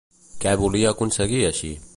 Què volia aconseguir així?